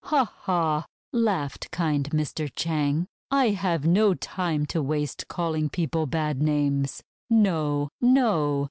"Ha! Ha!" laughed kind Mr. Chang. "I have no time to waste calling people bad names. No! No!